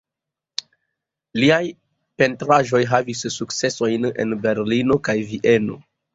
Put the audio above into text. Liaj pentraĵoj havis sukcesojn en Berlino kaj Vieno.